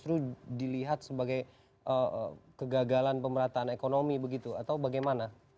pemerataan yang dominan justru dilihat sebagai kegagalan pemerataan ekonomi begitu atau bagaimana